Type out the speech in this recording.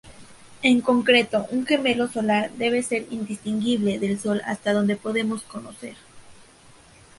En concreto, un gemelo solar debe ser indistinguible del Sol hasta donde podemos conocer.